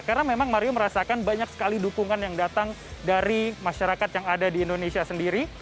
karena memang mario merasakan banyak sekali dukungan yang datang dari masyarakat yang ada di indonesia sendiri